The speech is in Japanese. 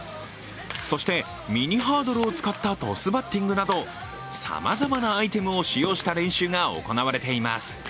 そしてミニハードルを使ったトスバッティングなど、さまざまなアイテムを使用した練習が行われています。